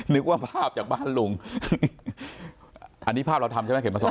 นึกว่าภาพจากบ้านลุงอันนี้ภาพเราทำใช่ไหมเข็มมาสอน